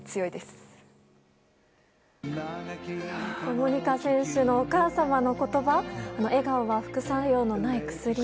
モニカ選手のお母様の言葉笑顔は副作用のない薬。